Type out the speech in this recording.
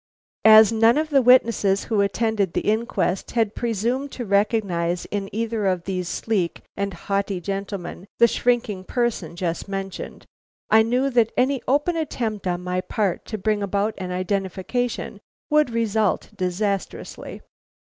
"As none of the witnesses who attended the inquest had presumed to recognize in either of these sleek and haughty gentlemen the shrinking person just mentioned, I knew that any open attempt on my part to bring about an identification would result disastrously.